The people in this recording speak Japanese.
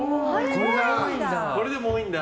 これでも多いんだ。